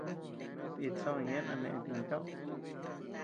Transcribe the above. Itsoʼö ñeʼen a net iñʼtoʼö.